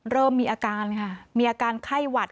เริ่มมีอาการค่ะมีอาการไข้หวัด